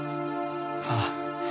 ああ。